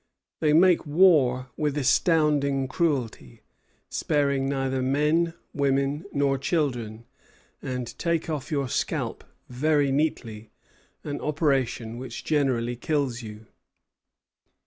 They make war with astounding cruelty, sparing neither men, women, nor children, and take off your scalp very neatly, an operation which generally kills you.